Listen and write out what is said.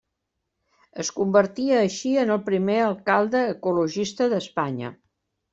Es convertia així en el primer alcalde ecologista d'Espanya.